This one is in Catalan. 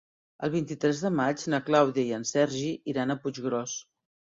El vint-i-tres de maig na Clàudia i en Sergi iran a Puiggròs.